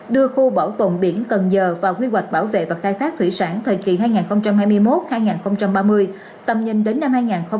đưa khu bảo tồn biển cần giờ vào quy hoạch bảo vệ và khai thác thủy sản thời kỳ hai nghìn hai mươi một hai nghìn ba mươi tầm nhìn đến năm hai nghìn năm mươi